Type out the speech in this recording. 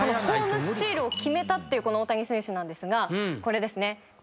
ホームスチールを決めたっていう大谷選手なんですがこれですね。